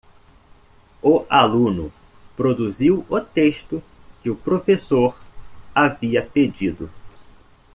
O aluno produziu o texto que o professor havia pedido.